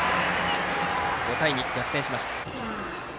５対２と逆転しました。